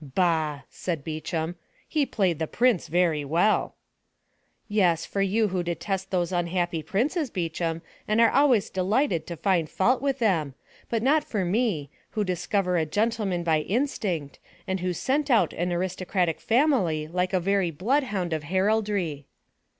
"Bah," said Beauchamp, "he played the prince very well." "Yes, for you who detest those unhappy princes, Beauchamp, and are always delighted to find fault with them; but not for me, who discover a gentleman by instinct, and who scent out an aristocratic family like a very bloodhound of heraldry."